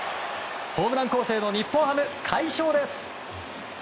ホームラン攻勢の日本ハム快勝です。